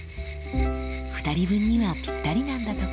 ２人分にはぴったりなんだとか。